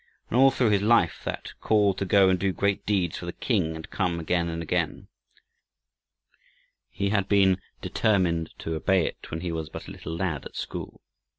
And all through his life that call to go and do great deeds for the King had come again and again. He had determined to obey it when he was but a little lad at school.